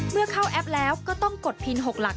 เข้าแอปแล้วก็ต้องกดพิน๖หลัก